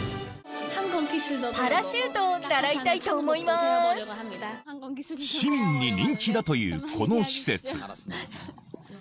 パラシュートを習いたいと思市民に人気だというこの施設。